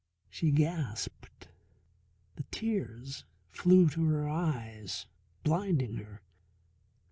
She gasped, the tears flew to her eyes, blinding her.